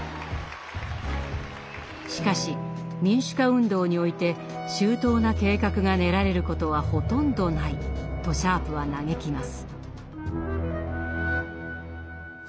しかし民主化運動において「周到な計画が練られることはほとんどない」とシャープは嘆きます。